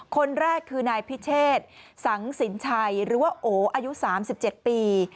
คนแรกคือนายพิเชษสังสินชัยหรือว่าโออายุ๓๗ปี